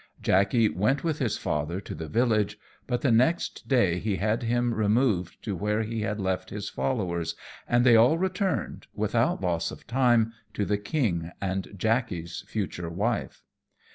Jackey went with his father to the village; but the next day he had him removed to where he had left his followers, and they all returned, without loss of time, to the king, and Jackey's future wife.